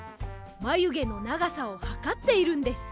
まゆげのながさをはかっているんです。